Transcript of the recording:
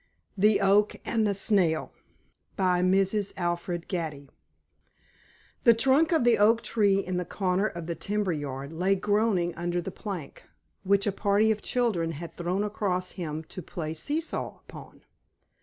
THE OAK AND THE SNAIL By Mrs. Alfred Gatty The trunk of the Oak Tree in the corner of the timber yard lay groaning under the plank, which a party of children had thrown across him to play see saw upon.